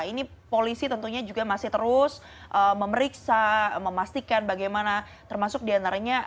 ini polisi tentunya juga masih terus memeriksa memastikan bagaimana termasuk diantaranya